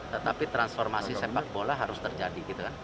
tetapi transformasi sepak bola harus terjadi gitu kan